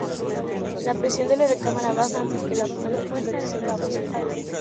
La presión en la recámara baja antes que la palanca complete su rotación.